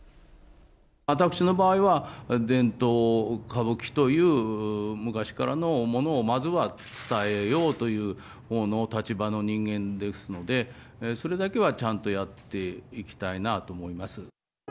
私の場合は、伝統・歌舞伎という、昔からのものをまずは伝えようというほうの立場の人間ですので、それだけはちゃんとやっていきたいなと思います。